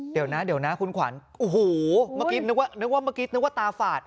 เดี๋ยวนะเดี๋ยวนะคุณขวัญโอ้โหเมื่อกี้นึกว่าเมื่อกี้นึกว่าตาฝาด